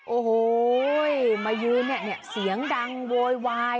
โอ้โหมายืนเนี่ยเสียงดังโวยวาย